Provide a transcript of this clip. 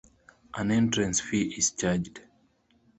An entrance fee is charged.